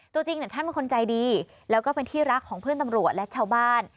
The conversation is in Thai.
ตัวจริงท่านเป็นคนใจดีแล้วก็เป็นที่รักของเพื่อนตำรวจและชาวบ้าน